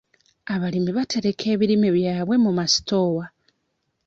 Abalimi batereka ebirime byabwe mu masitoowa.